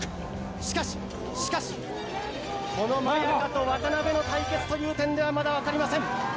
しかし、しかし、このマヤカと渡辺の対決という点では、まだ分かりません。